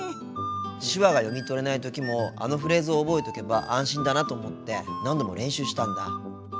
手話が読み取れない時もあのフレーズを覚えておけば安心だなと思って何度も練習してたんだ。